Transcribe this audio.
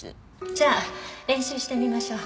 じゃあ練習してみましょう。